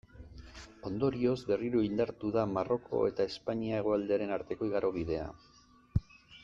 Ondorioz, berriro indartu da Maroko eta Espainia hegoaldearen arteko igarobidea.